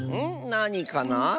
なにかな？